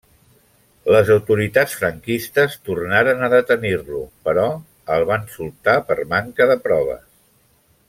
Les autoritats franquistes tornaren a detenir-lo, però el van soltar per manca de proves.